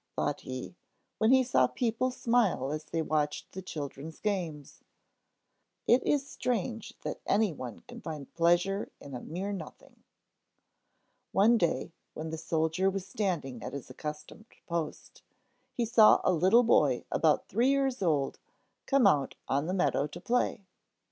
thought he, when he saw people smile as they watched the children's games. It is strange that any one can find pleasure in a mere nothing. One day when the soldier was standing at his accustomed post, he saw a little boy about three years old come out on the meadow to play.